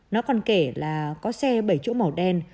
nó còn kể là có xe bảy chỗ màu đen